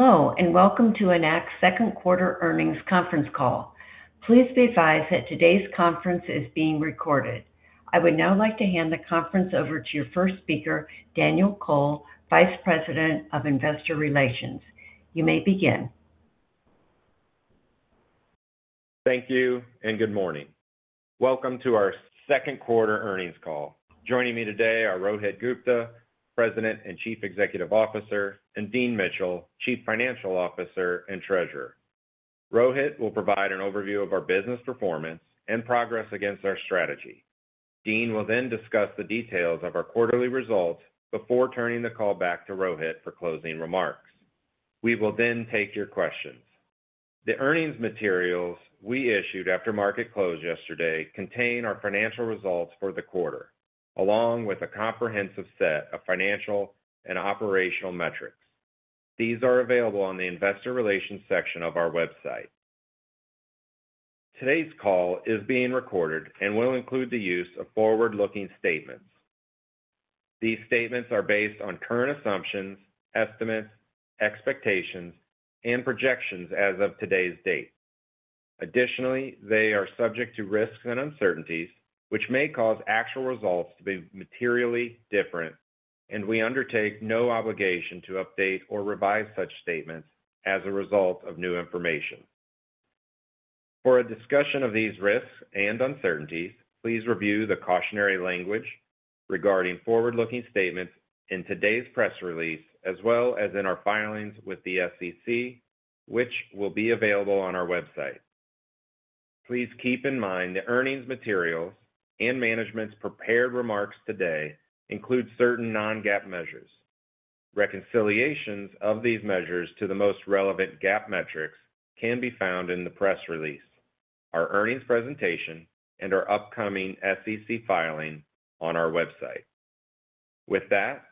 Hello and welcome to Enact's second quarter earnings conference call. Please be advised that today's conference is being recorded. I would now like to hand the conference over to your first speaker, Daniel Kohl, Vice President of Investor Relations. You may begin. Thank you and good morning. Welcome to our second quarter earnings call. Joining me today are Rohit Gupta, President and Chief Executive Officer, and Dean Mitchell, Chief Financial Officer and Treasurer. Rohit will provide an overview of our business performance and progress against our strategy. Dean will then discuss the details of our quarterly results before turning the call back to Rohit for closing remarks. We will then take your questions. The earnings materials we issued after market closed yesterday contain our financial results for the quarter along with a comprehensive set of financial and operational metrics. These are available on the investor relations section of our website. Today's call is being recorded and will include the use of forward-looking statements. These statements are based on current assumptions, estimates, expectations, and projections as of today's date. Additionally, they are subject to risks and uncertainties which may cause actual results to be materially different, and we undertake no obligation to update or revise such statements as a result of new information. For a discussion of these risks and uncertainties, please review the cautionary language regarding forward-looking statements in today's press release as well as in our filings with the SEC, which will be available on our website. Please keep in mind the earnings materials and management's prepared remarks today include certain non-GAAP measures. Reconciliations of these measures to the most relevant GAAP metrics can be found in the press release, our earnings presentation, and our upcoming SEC filing on our website. With that,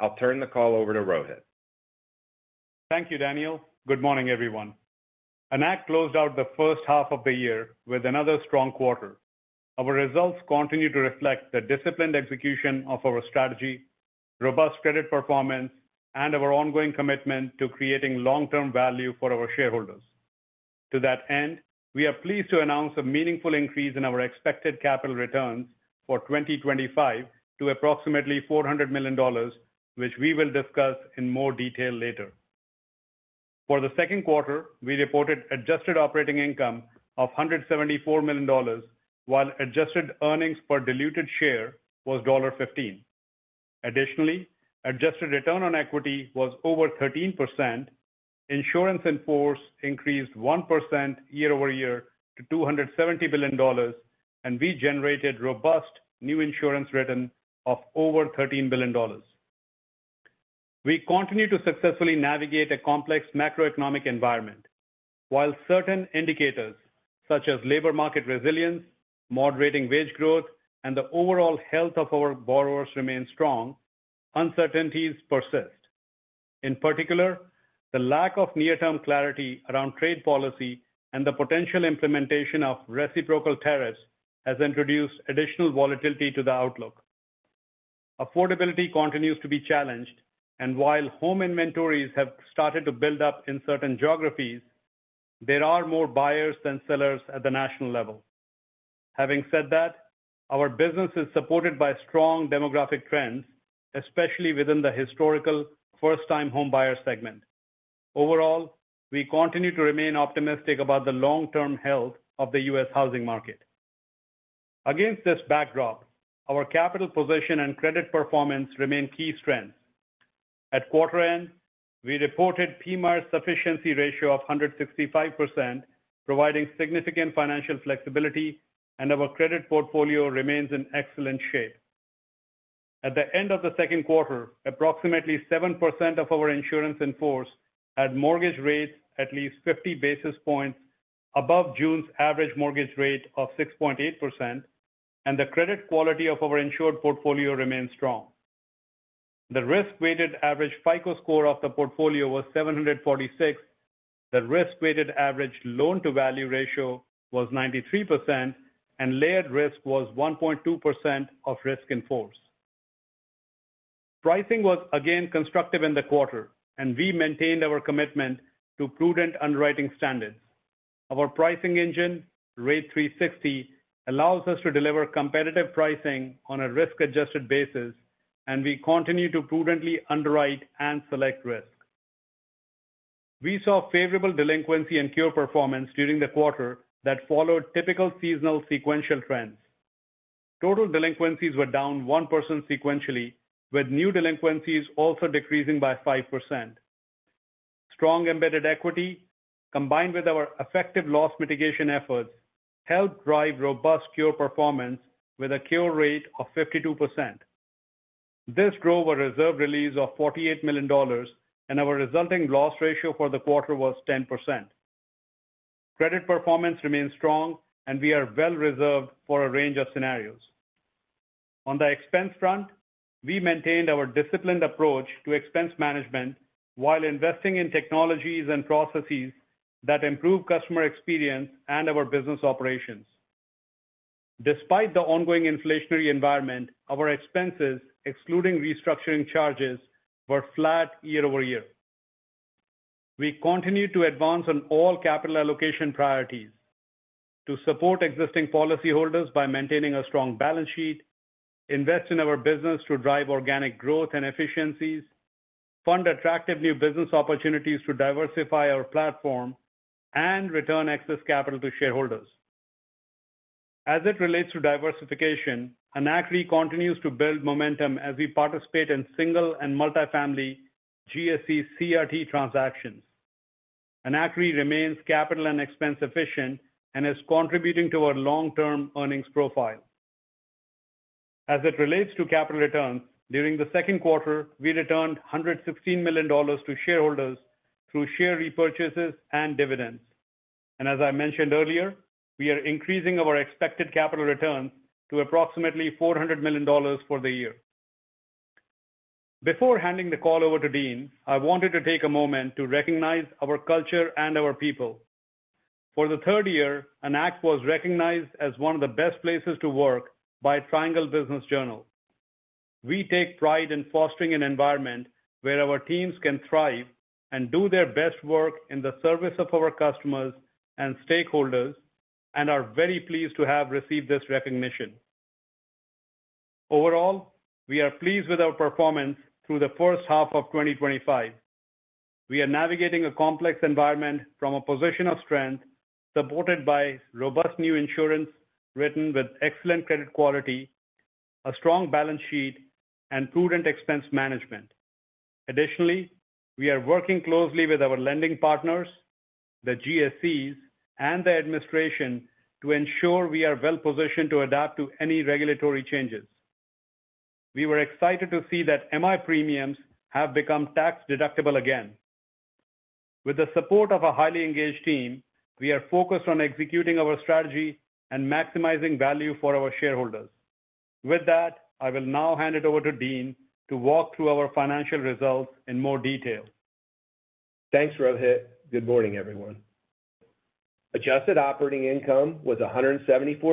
I'll turn the call over to Rohit. Thank you, Daniel. Good morning everyone. Enact closed out the first half of the year with another strong quarter. Our results continue to reflect the disciplined execution of our strategy, robust credit performance, and our ongoing commitment to creating long-term value for our shareholders. To that end, we are pleased to announce a meaningful increase in our expected capital returns for 2025 to approximately $400 million, which we will discuss in more detail later. For the second quarter, we reported adjusted operating income of $174 million while adjusted earnings per diluted share was $1.15. Additionally, adjusted return on equity was over 13%. Insurance in force increased 1% year-over-year to $270 billion, and we generated robust new insurance written of over $13 billion. We continue to successfully navigate a complex macroeconomic environment. While certain indicators such as labor market resilience, moderating wage growth, and the overall health of our borrowers remain strong, uncertainties persist. In particular, the lack of near-term clarity around trade policy and the potential implementation of reciprocal tariffs has introduced additional volatility to the outlook. Affordability continues to be challenged, and while home inventories have started to build up in certain geographies, there are more buyers than sellers at the national level. Our business is supported by strong demographic trends, especially within the historical first-time homebuyer segment. Overall, we continue to remain optimistic about the long-term health of the U.S. housing market. Against this backdrop, our capital position and credit performance remain key strengths. At quarter end, we reported a PMIERs sufficiency ratio of 165%, providing significant financial flexibility, and our credit portfolio remains in excellent shape. At the end of the second quarter, approximately 7% of our insurance in force had mortgage rates at least 50 basis points above June's average mortgage rate of 6.8%, and the credit quality of our insured portfolio remains strong. The risk-weighted average FICO score of the portfolio was 746, the risk-weighted average loan to value ratio was 93%, and layered risk was 1.2% of risk in force. Pricing was again constructive in the quarter, and we maintained our commitment to prudent underwriting standards. Our pricing engine Rate360 allows us to deliver competitive pricing on a risk-adjusted basis, and we continue to prudently underwrite and select risk. We saw favorable delinquency and cure performance during the quarter that followed typical seasonal sequential trends. Total delinquencies were down 1% sequentially with new delinquencies also decreasing by 5%. Strong embedded equity combined with our effective loss mitigation efforts helped drive robust cure performance with a cure rate of 52%. This drove a reserve release of $48 million and our resulting loss ratio for the quarter was 10%. Credit performance remains strong and we are well reserved for a range of scenarios. On the expense front, we maintained our disciplined approach to expense management while investing in technologies and processes that improve customer experience and our business operations. Despite the ongoing inflationary environment, our expenses, excluding restructuring charges, were flat year-over-year. We continue to advance on all capital allocation priorities to support existing policyholders by maintaining a strong balance sheet, invest in our business to drive organic growth and efficiencies, fund attractive new business opportunities to diversify our platform, and return excess capital to shareholders. As it relates to diversification, Enact. continues to build momentum as we participate in single and multifamily GSE CRT transactions. Enact remains capital and expense efficient and is contributing to our long term earnings profile. As it relates to capital returns, during the second quarter, we returned $116 million to shareholders through share repurchases and dividends, and as I mentioned earlier, we are increasing our expected capital returns to approximately $400 million for the year. Before handing the call over to Dean, I wanted to take a moment to recognize our culture and our people. For the third year, Enact was recognized as one of the best places to work by Triangle Business Journal. We take pride in fostering an environment where our teams can thrive and do their best work in the service of our customers and stakeholders and are very pleased to have received this recognition. Overall, we are pleased with our performance through the first half of 2025. We are navigating a complex environment from a position of strength supported by robust new insurance written with excellent credit quality, a strong balance sheet, and prudent expense management. Additionally, we are working closely with our lending partners, the GSEs, and the administration to ensure we are well positioned to adapt to any regulatory changes. We were excited to see that MI premiums have become tax deductible again. With the support of a highly engaged team, we are focused on executing our strategy and maximizing value for our shareholders. With that, I will now hand it over to Dean to walk through our financial results in more detail. Thanks, Rohit. Good morning everyone. Adjusted operating income was $174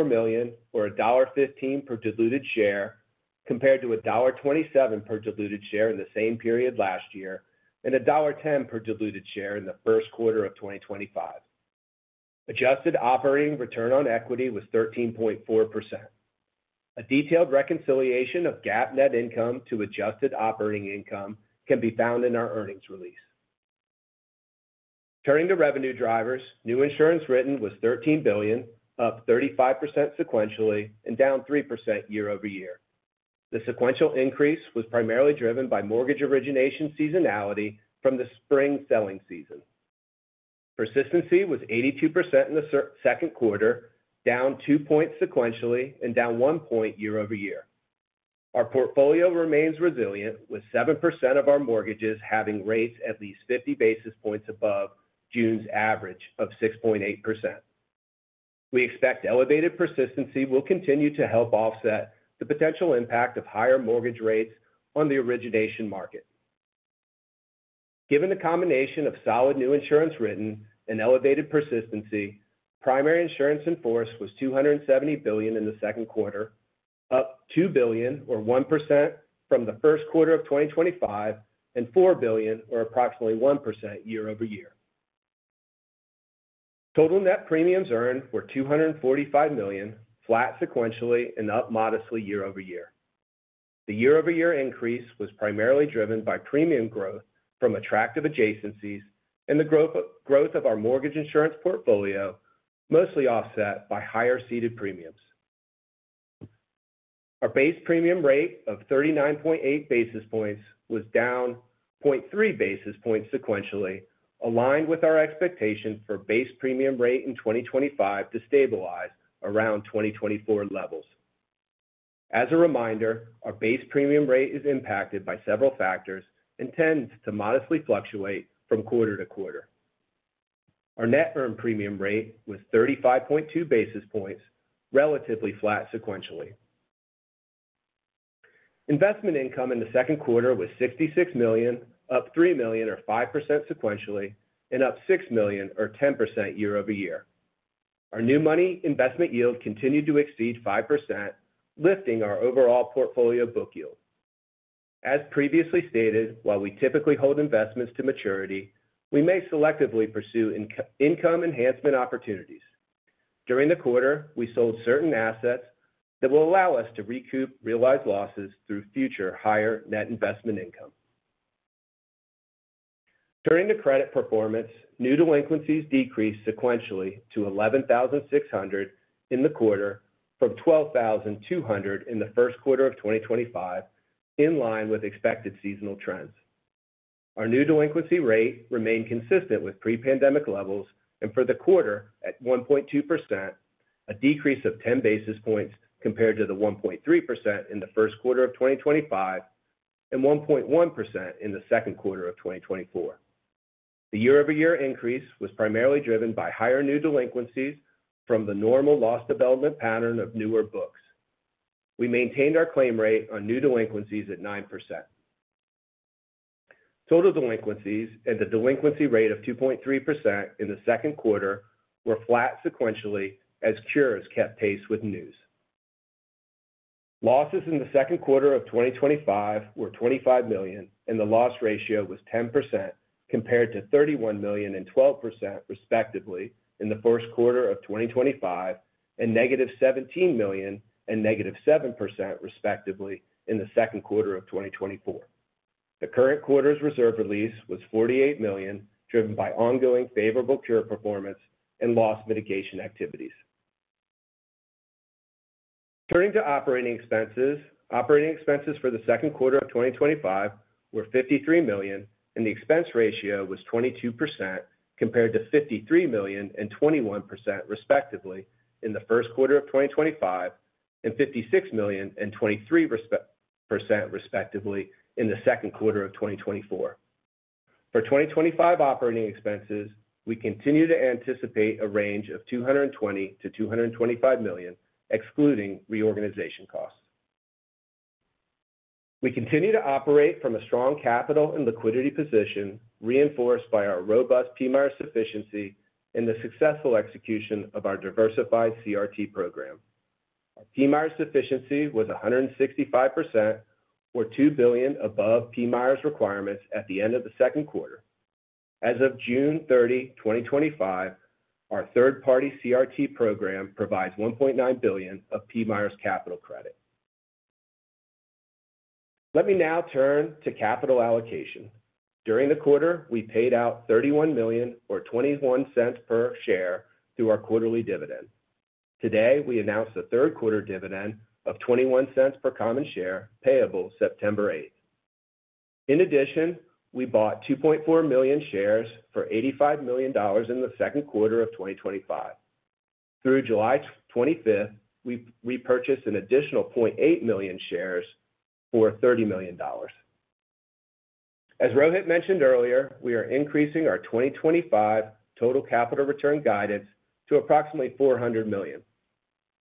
million, or $1.15 per diluted share, compared to $1.27 per diluted share in the same period last year and $1.10 per diluted share in the first quarter of 2025. Adjusted operating return on equity was 13.4%. A detailed reconciliation of GAAP net income to adjusted operating income can be found in our earnings release. Turning to revenue drivers, new insurance written was $13 billion, up 35% sequentially and down 3% year-over-year. The sequential increase was primarily driven by mortgage origination seasonality from the spring selling season. Persistency was 82% in the second quarter, down two points sequentially and down one point year-over-year. Our portfolio remains resilient, with 7% of our mortgages having rates at least 50 basis points above June's average of 6.8%. We expect elevated persistency will continue to help offset the potential impact of higher mortgage rates on the origination market. Given the combination of solid new insurance written and elevated persistency, primary insurance in force was $270 billion in the second quarter, up $2 billion, or 1% from the first quarter of 2025 and $4 billion, or approximately 1% year-ove-year. Total net premiums earned were $245 million, flat sequentially and up modestly year-over-year. The year-over-year increase was primarily driven by premium growth from attractive adjacencies and the growth of our mortgage insurance portfolio, mostly offset by higher ceded premiums. Our base premium rate of 39.8 basis points was down 0.3 basis points sequentially, aligned with our expectation for base premium rate in 2025 to stabilize around 2024 levels. As a reminder, our base premium rate is impacted by several factors and tends to modestly fluctuate from quarter to quarter. Our net earned premium rate was 35.2 basis points, relatively flat sequentially. Investment income in the second quarter was $66 million, up $3 million or 5% sequentially and up $6 million or 10% year-ove- year. Our new money investment yield continued to exceed 5%, lifting our overall portfolio book yield. As previously stated, while we typically hold investments to maturity, we may selectively pursue income enhancement opportunities. During the quarter, we sold certain assets that will allow us to recoup realized losses through future higher net investment income. Turning to credit performance, new delinquencies decreased sequentially to 11,600 in the quarter from 12,200 in the first quarter of 2025, in line with expected seasonal trends. Our new delinquency rate remained consistent with pre-pandemic levels and for the quarter at 1.2%, a decrease of 10 basis points compared to the 1.3% in the first quarter of 2025 and 1.1% in the second quarter of 2024. The year-over-year increase was primarily driven by higher new delinquencies from the normal loss development pattern of newer books. We maintained our claim rate on new delinquencies at 9%. Total delinquencies and the delinquency rate of 2.3% in the second quarter were flat sequentially as cures kept pace with news. Losses in the second quarter of 2025 were $25 million and the loss ratio was 10% compared to $31 million and 12% respectively in the first quarter of 2025 and -$17 million and -7% respectively in the second quarter of 2024. The current quarter's reserve release was $48 million, driven by ongoing favorable cure performance and loss mitigation activities. Turning to operating expenses, operating expenses for the second quarter of 2025 were $53 million and the expense ratio was 22% compared to $53 million and 21% respectively in the first quarter of 2025 and $56 million and 23% respectively in the second quarter of 2024. For 2025 operating expenses, we continue to anticipate a range of $220 million to $225 million, excluding reorganization costs. We continue to operate from a strong capital and liquidity position reinforced by our robust PMIERs sufficiency and the successful execution of our diversified CRT program. Our PMIERs sufficiency was 165% or $2 billion above PMIERs requirements at the end of the second quarter. As of June 30, 2025, our third-party CRT program provides $1.9 billion of PMIERs capital credit. Let me now turn to capital allocation. During the quarter, we paid out $31 million or $0.21 per share through our quarterly dividend. Today, we announced a third quarter dividend of $0.21 per common share payable September 8. In addition, we bought 2.4 million shares for $85 million in the second quarter of 2025. Through July 25th, we repurchased an additional $0.8 million shares for $30 million. As Rohit mentioned earlier, we are increasing our 2025 total capital return guidance to approximately $400 million.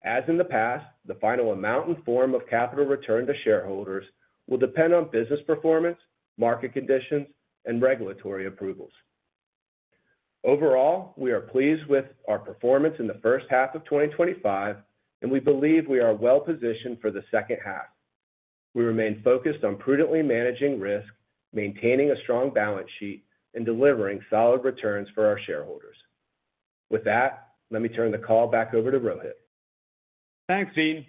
As in the past, the final amount and form of capital returned to shareholders will depend on business performance, market conditions, and regulatory approvals. Overall, we are pleased with our performance in the first half of 2025, and we believe we are well positioned for the second half. We remain focused on prudently managing risk, maintaining a strong balance sheet, and delivering solid returns for our shareholders. With that, let me turn the call back over to Rohit. Thanks, Dean.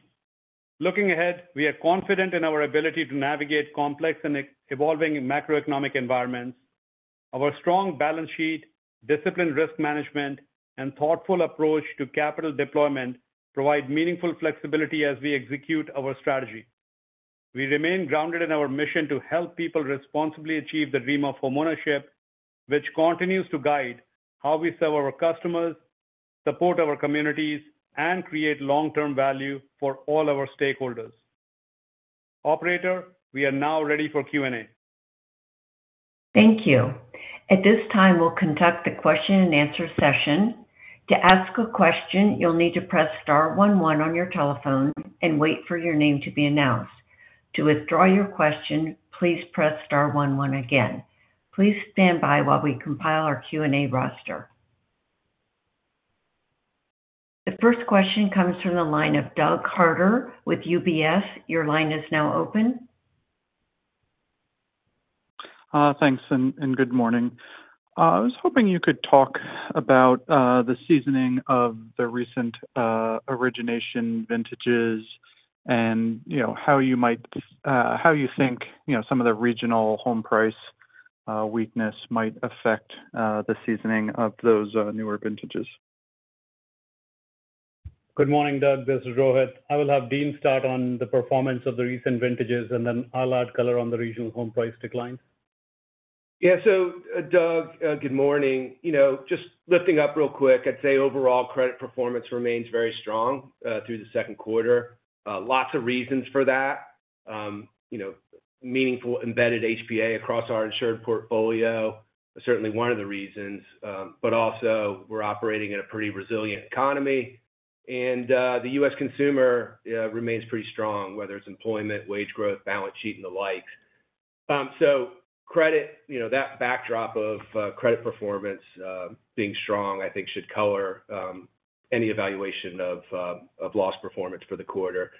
Looking ahead, we are confident in our ability to navigate complex and important evolving macroeconomic environments. Our strong balance sheet, disciplined risk management, and thoughtful approach to capital deployment provide meaningful flexibility as we execute our strategy. We remain grounded in our mission to help people responsibly achieve the dream of homeownership, which continues to guide how we serve our customers, support our communities, and create long term value for all our stakeholders. Operator, we are now ready for Q&A. Thank you. At this time, we'll conduct the question and answer session. To ask a question, you'll need to press star one one on your telephone and wait for your name to be announced. To withdraw your question, please press star one one again. Please stand by while we compile our Q&A roster. The first question comes from the line of Doug Harter with UBS. Your line is now open. Thanks and good morning. I was hoping you could talk about the seasoning of the recent origination vintages and how you think some of the regional home price weakness might affect the seasoning of those newer vintages. Good morning, Doug. This is Rohit. I will have Dean start on the performance of the recent vintages and then I'll add color on the regional home price declines. Good morning, Doug. Just lifting up real quick. I'd say overall credit performance remains very strong through the second quarter. Lots of reasons for that. Meaningful embedded HPA across our insured portfolio, certainly one of the reasons. We're operating in a pretty resilient economy and the U.S. consumer remains pretty strong, whether it's employment, wage growth, balance sheet and the like. That backdrop of credit performance being strong I think should color any evaluation of loss performance for the quarter.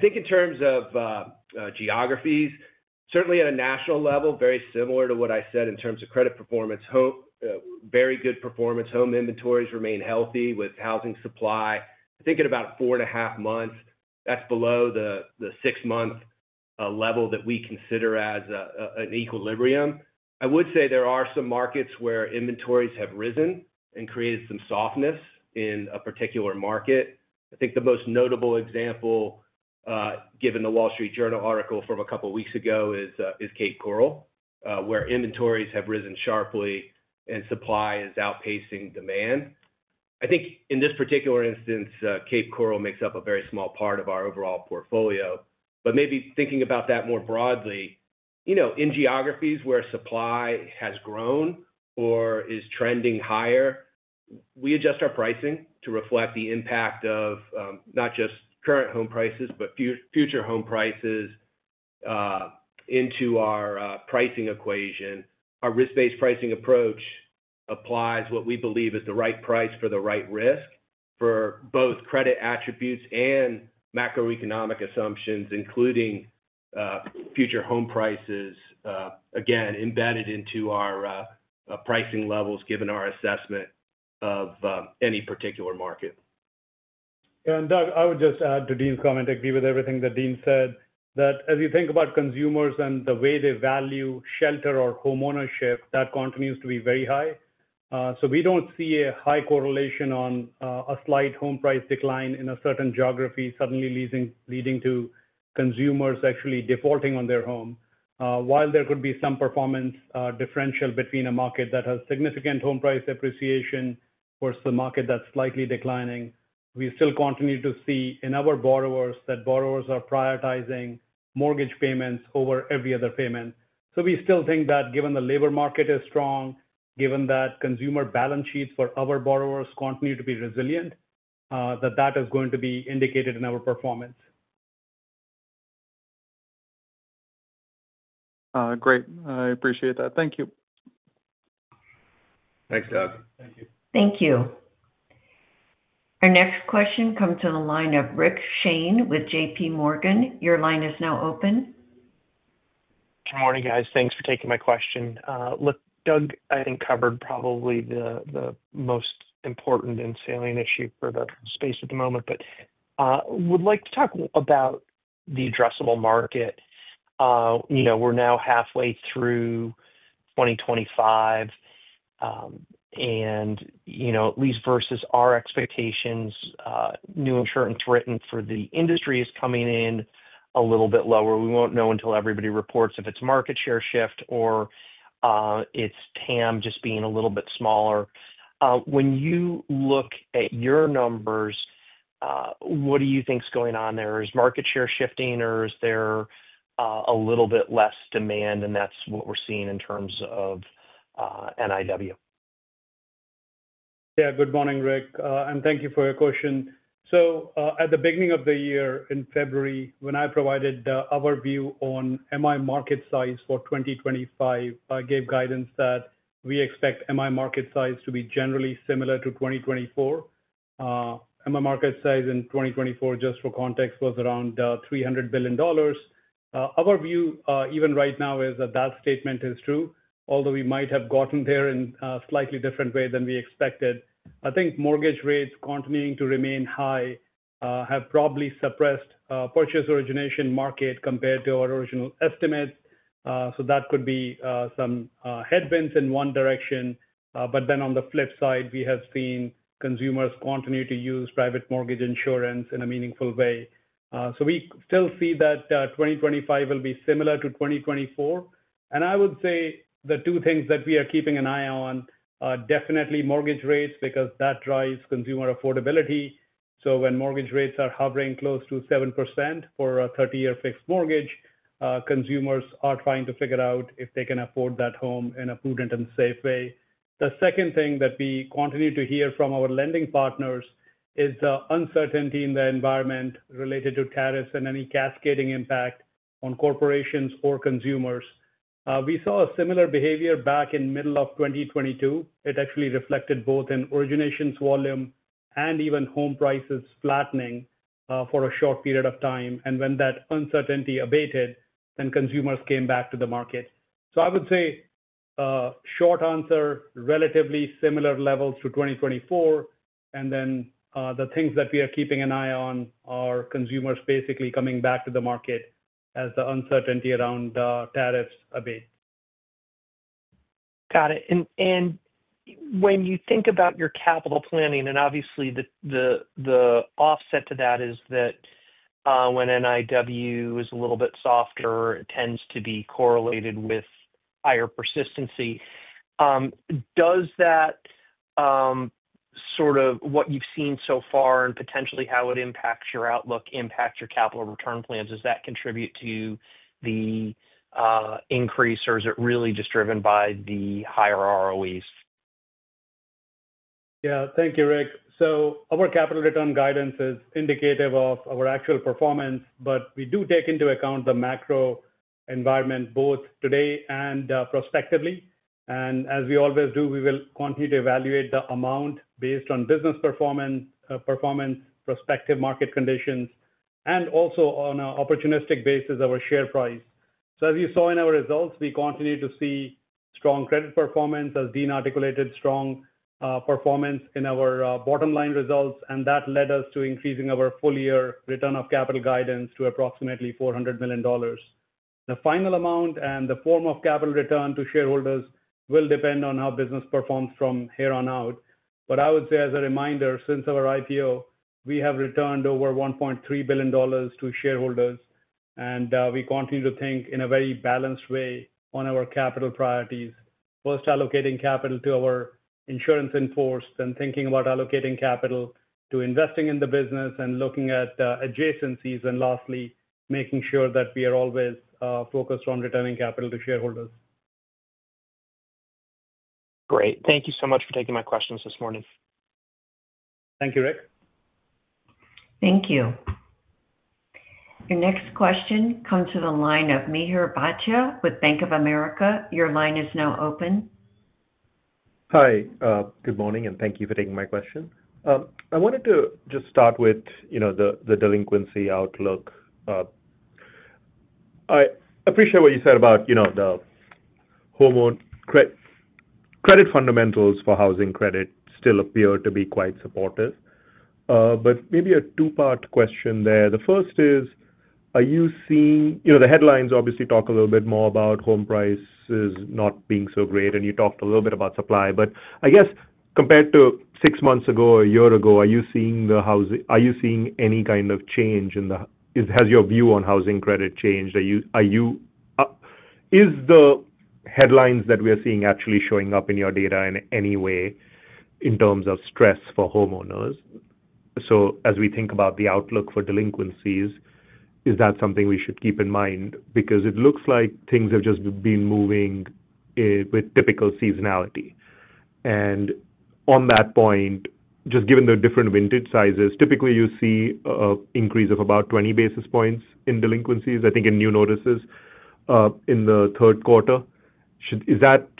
In terms of geographies, certainly at a national level, very similar to what I said in terms of credit performance, very good performance, home inventories remain healthy with housing supply, I think at about 4.5 months, that's below the 6 month level that we consider as an equilibrium. I would say there are some markets where inventories have risen and created some softness in a particular market. The most notable example, given the Wall Street Journal article from a couple weeks ago, is Cape Coral, where inventories have risen sharply and supply is outpacing demand. In this particular instance, Cape Coral makes up a very small part of our overall portfolio. Maybe thinking about that more broadly, in geographies where supply has grown or is trending higher, we adjust our pricing to reflect the impact of not just current home prices but future home price into our pricing equation. Our risk-based pricing approach applies what we believe is the right price for the right risk for both credit attributes and macroeconomic assumptions, including future home prices, again, embedded into our pricing levels, given our assessment of any particular market. Doug, I would just add to Dean's comment, agree with everything that Dean said that as you think about consumers and the way they value shelter or homeownership, that continues to be very high. We don't see a high correlation on a slight home price decline in a certain geography suddenly leading to consumers actually defaulting on their home. While there could be some performance differential between a market that has significant home price appreciation versus the market that's slightly declining, we still continue to see in our borrowers that borrowers are prioritizing mortgage payments over every other payment. We still think that given the labor market is strong, given that consumer balance sheets for our borrowers continue to be resilient, that that is going to be indicated in our performance. Great, I appreciate that. Thank you. Thanks Doug. Thank you. Our next question comes to the line of Rick Shane with JPMorgan. Your line is now open. Good morning, guys. Thanks for taking my question. Doug, I think covered probably the most important and salient issue for the space at the moment, but would like to talk about the addressable market. You know, we're now halfway through 2025 and, at least versus our expectations, new insurance written for the industry is coming in a little bit lower. We won't know until everybody reports if it's market share shift or it's TAM just being a little bit smaller. When you look at your numbers, what do you think's going on there? Is market share shifting or is there a little bit less demand? That's what we're seeing in terms of NIW. Yeah. Good morning, Rick, and thank you for your question. At the beginning of the year in February when I provided our view on MI market size for 2025, I gave guidance that we expect MI market size to be generally similar to 2024. MI market size in 2024, just for context, was around $300 billion. Our view even right now is that that statement is true, although we might have gotten there in a slightly different way than we expected. I think mortgage rates continuing to remain high have probably suppressed purchase origination market compared to our original estimates. That could be some headwinds in one direction. But then on the flip side, we have seen consumers continue to use private mortgage insurance in a meaningful way. We still see that 2025 will be similar to 2024. I would say the two things that we are keeping an eye on are definitely mortgage rates because that drives consumer affordability. When mortgage rates are hovering close to 7% for a 30-year fixed mortgage, consumers are trying to figure out if they can afford that home in a prudent and safe way. The second thing that we continue to hear from our lending partners is the uncertainty in the environment related to tariffs and any cascading impact on corporations or consumers. We saw a similar behavior back in the middle of 2022. It actually reflected both in originations volume and even home prices flattening for a short period of time. When that uncertainty abated, consumers came back to the market. I would say short answer, relatively similar levels to 2024. The things that we are keeping an eye on are consumers basically coming back to the market as the uncertainty around tariffs abate. Got it. When you think about your capital planning, obviously the offset to that is that when NIW is a little bit softer, it tends to be correlated with higher persistency. Does that sort of what you've seen so far and potentially how it impacts your outlook, impact your capital return plans? Does that contribute to the increase or is it really just driven by the higher ROEs? Yeah. Thank you, Rick. Our capital return guidance is indicative of our actual performance, but we do take into account the macroeconomic environment, both today and prospectively. As we always do, we will continue to evaluate the amount based on business performance, prospective market conditions, and also on an opportunistic basis, our share price. As you saw in our results, we continue to see strong credit performance, as Dean articulated, strong performance in our bottom line results. That led us to increasing our full year return of capital guidance to approximately $400 million. The final amount and the form of capital return to shareholders will depend on how business performs from here on out. I would say as a reminder, since our IPO, we have returned over $1.3 billion to shareholders and we continue to think in a very balanced way on our capital priorities. First allocating capital to our insurance in force, then thinking about allocating capital to investing in the business and looking at adjacencies, and lastly making sure that we are always focused on returning capital to shareholders. Great. Thank you so much for taking my questions this morning. Thank you, Rick. Thank you. Your next question comes to the line of Mihir Bhatia with Bank. Your line is now open. Hi, good morning and thank you for taking my question. I wanted to just start with the delinquency outlook. I appreciate what you said about the credit fundamentals for housing credit still appear to be quite supportive. Maybe a two part question there. The first is the headlines, obviously, talk a little bit more about home prices not being so great and you talked a little bit about supply. I guess compared to six months ago or a year ago, are you seeing any kind of change in the, has your view on housing credit changed? Is the headlines that we are seeing actually showing up in your data in any way in terms of stress for homeowners? As we think about the outlook for delinquencies, is that something we should keep in mind? It looks like things have just been moving with typical seasonality. On that point, just given the different vintage sizes, typically you see increase of about 20 basis point in delinquencies. I think in new notices in the third quarter. Should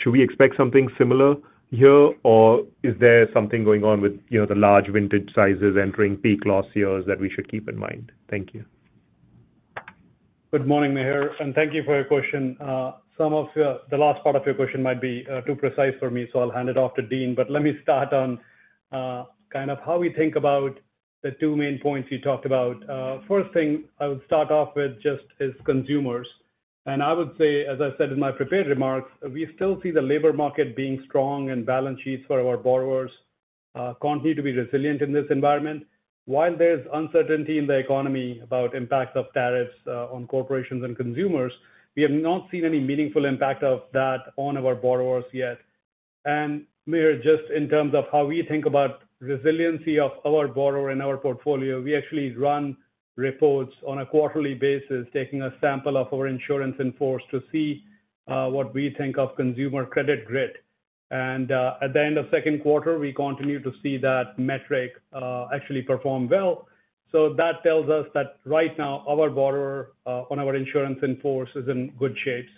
we expect something similar here or is there something going on with the large vintage sizes entering peak loss years that we should keep in mind? Thank you. Good morning Mihir, and thank you for your question. Some of the last part of your question might be too precise for me, so I'll hand it off to Dean. Let me start on how we think about the two main points you talked about. First thing I would start off with is just consumers and I would say as I said in my prepared remarks, we still see the labor market being strong and balance sheets for our borrowers continue to be resilient in this environment. While there's uncertainty in the economy about impact of tariffs on corporations and consumers, we have not seen any meaningful impact of that on our borrowers yet. Mihir, just in terms of how we think about resiliency of our borrower and our portfolio, we actually run reports on a quarterly basis taking a sample of our insurance in force to see what we think of consumer credit grid and at the end of second quarter we continue to see that metric actually perform well. That tells us that right now our borrower on our insurance in force is in good shape.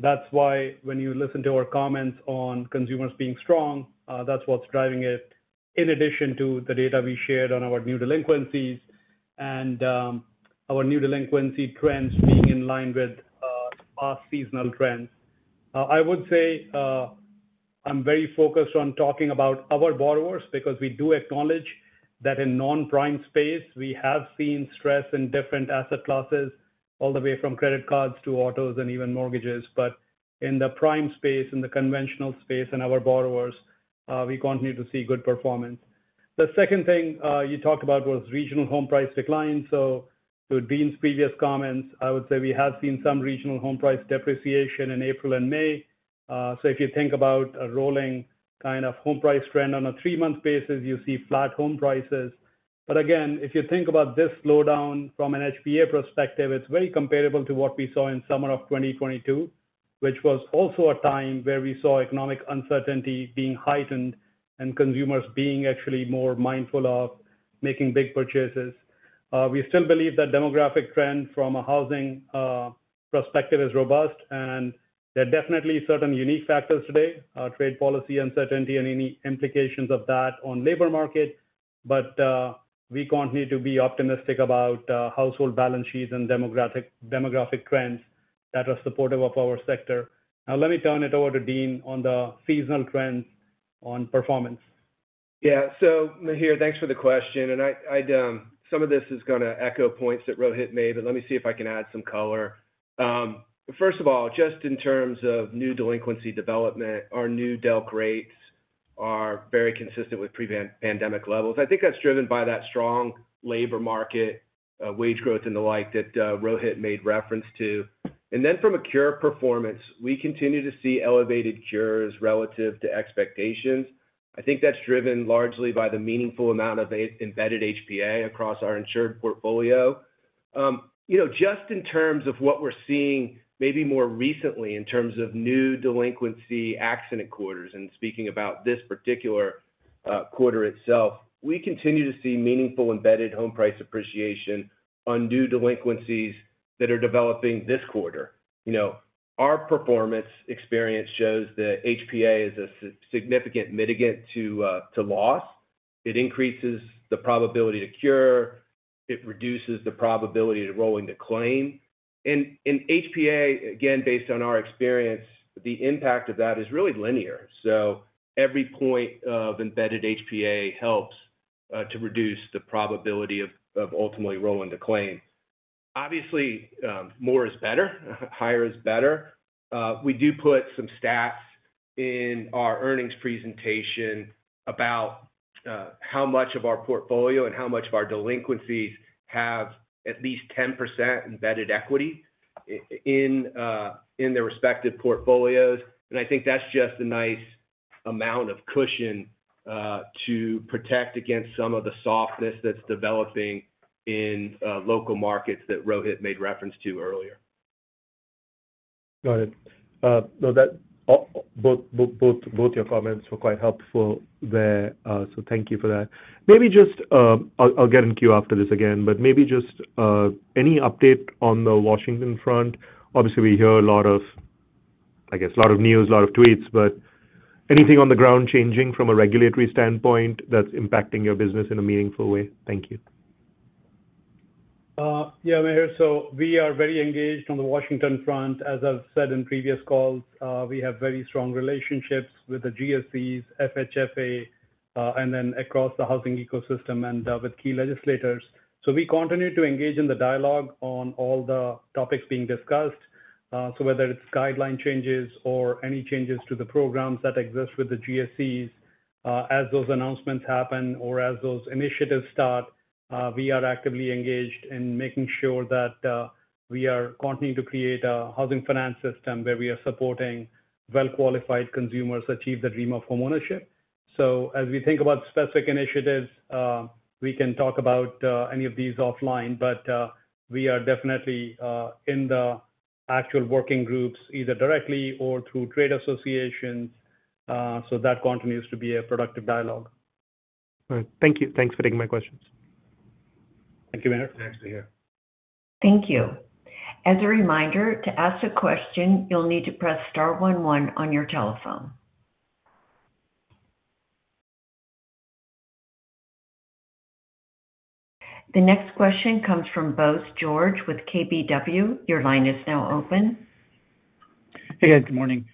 That's why when you listen to our comments on consumers being strong, that's what's driving it. In addition to the data we shared on our new delinquencies and our new delinquency trends being in line with past seasonal trends, I would say I'm very focused on talking about our borrowers because we do acknowledge that in non-prime space we have seen stress in different asset classes all the way from credit cards to autos and even mortgages. In the prime space, in the conventional space and our borrowers we continue to see good performance. The second thing you talked about was regional home price decline. To Dean's previous comments, I would say we have seen some regional home price depreciation in April and May. If you think about a rolling home price trend on a three-month basis, you see flat home prices. If you think about this slowdown from an HPA perspective, it's very comparable to what we saw in summer of 2022, which was also a time where we saw economic uncertainty being heightened and consumers being actually more mindful of making big purchases. We still believe that demographic trend from a housing perspective is robust and there are definitely certain unique factors today, trade policy uncertainty and any implications of that on labor market. We continue to be optimistic about household balance sheets and demographic trends that are supportive of our sector. Now let me turn it over to Dean on the seasonal trends on performance. Yeah. Mihir, thanks for the question and some of this is going to echo points that Rohit made, but let me see if I can add some color. First of all, just in terms of new delinquency development, our new delc rates are very consistent with pre-pandemic levels. I think that's driven by that strong labor market, wage growth, and the like that Rohit made reference to. From a cure performance, we continue to see elevated cures relative to expectations. I think that's driven largely by the meaningful amount of embedded HPA across our insured portfolio. Just in terms of what we're seeing maybe more recently in terms of new delinquency accident quarters, and speaking about this particular quarter itself, we continue to see meaningful embedded home price appreciation on new delinquencies that are developing this quarter. Our performance experience shows that HPA is a significant mitigant to loss. It increases the probability to cure and reduces the probability of rolling the claim. HPA, again, based on our experience, the impact of that is really linear. Every point of embedded HPA helps to reduce the probability of ultimately rolling the claim. Obviously more is better, higher is better. We do put some stats in our earnings presentation about how much of our portfolio and how much of our delinquencies have at least 10% embedded equity in their respective portfolios. I think that's just a nice amount of cushion to protect against some of the softness that's developing in local markets that Rohit made reference to earlier. Got it. Both your comments were quite helpful there, so thank you for that. I'll get in queue after this again, but maybe just any update on the Washington front? Obviously we hear a lot of, I guess a lot of news, a lot of tweets, but anything on the ground changing from a regulatory standpoint that's impacting your business in a meaningful way. Thank you. Yeah, Mihir, we are very engaged on the Washington front. As I've said in previous calls, we have very strong relationships with the GSEs, FHFA, and then across the housing ecosystem and with key legislators. We continue to engage in the dialogue on all the topics being discussed. Whether it's guideline changes or any changes to the programs that exist with the GSEs, as those announcements happen or as those initiatives start, we are actively engaged in making sure that we are continuing to create a housing finance system where we are supporting well qualified consumers achieve the dream of home ownership. As we think about specific initiatives, we can talk about any of these offline, but we are definitely in the actual working groups, either directly or through trade associations. That continues to be a productive dialogue. Thank you. Thanks for taking my questions. Thank you, Mihir. Nice to here. Thank you. As a reminder, to ask a question, you'll need to press star one one on your telephone. The next question comes from Bose George with KBW. Your line is now open. Hey guys, good morning.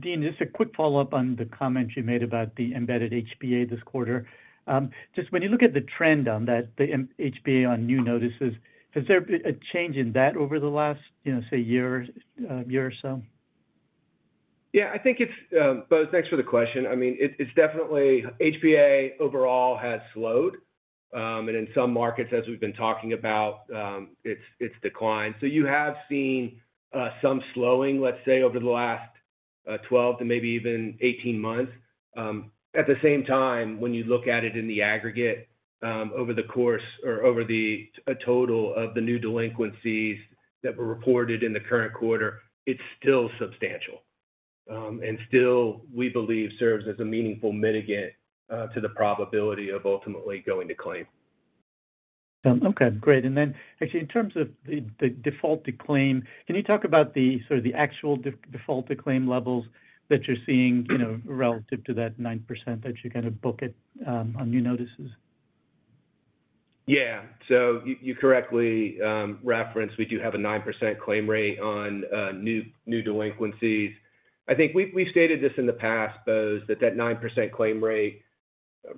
Dean, just a quick follow-up on the comment you made about the embedded HPA this quarter. When you look at the trend on that, the HPA on new notices, has there been a change in that over the last, say, year or so? Yeah, I think it's both. Thanks for the question. I mean it's definitely HPA overall has slowed, and in some markets as we've been talking about, it's declined. You have seen some slowing, let's say over the last 12 to maybe even 18 months. At the same time, when you look at it in the aggregate over the course or over the total of the new delinquencies that were reported in the current quarter, it's still substantial, and still we believe serves as a meaningful mitigant to the probability of ultimately going to claim. Okay, great. In terms of the default to claim, can you talk about the actual default to claim levels that you're seeing, you know, relative to that 9% that you kind of book it on new notices? Yeah, so you correctly referenced, we do have a 9% claim rate on new delinquencies. I think we stated this in the past, Bose, that that 9% claim rate,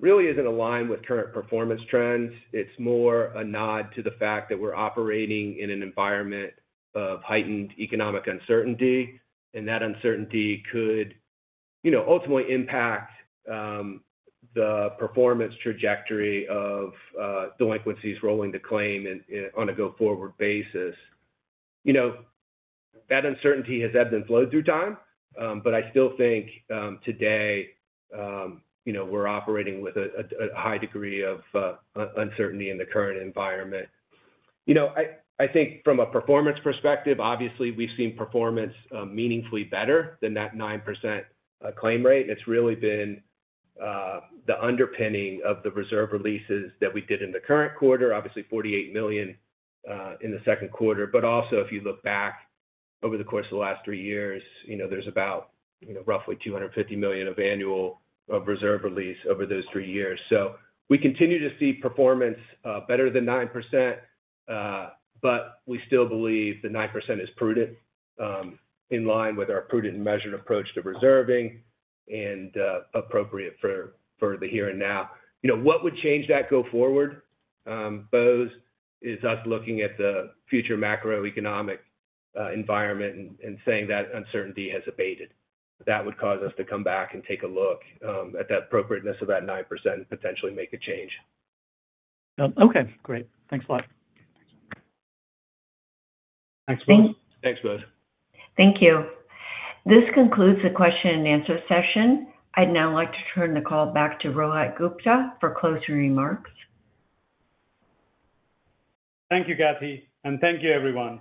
really isn't aligned with current performance trends. It's more a nod to the fact that we're operating in an environment of heightened economic uncertainty and that uncertainty could ultimately impact the performance trajectory of delinquencies. Rolling the claim on a go forward basis, that uncertainty has ebbed and flowed through time. I still think today we're operating with a high degree of uncertainty in the current environment. I think from a performance perspective, obviously we've seen performance meaningfully better than that 9% claim rate. It's really been the underpinning of the reserve releases that we did in the current quarter, obviously $48 million in the second quarter. Also, if you look back over the course of the last three years, there's about roughly $250 million of annual reserve release over those three years. We continue to see performance better than 9%, but we still believe the 9% is prudent, in line with our prudent, measured approach to reserving and appropriate for the here and now. What would change that go forward, Bose, is us looking at the future macroeconomic environment and saying that uncertainty has abated. That would cause us to come back and take a look at that appropriateness of that 9% and potentially make a change. Okay, great. Thanks a lot. Thanks Bose. Thank you. This concludes the question and answer session. I'd now like to turn the call back to Rohit Gupta for closing remarks. Thank you, Kathy. Thank you, everyone.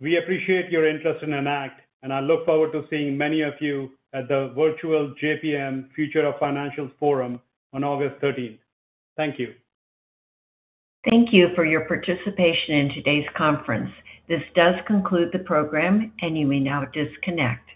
We appreciate your interest in Enact, and I look forward to seeing many of you at the virtual JPM Future of Financials Forum on August 13th. Thank you. Thank you for your participation in today's conference. This does conclude the program, and you may now disconnect.